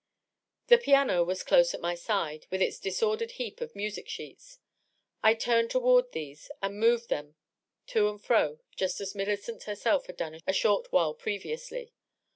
The piano was close at my side, with its disordered heap of music sheets. 1 turned toward these and moved them to and fro just as Mil licent herself had done a short while previously.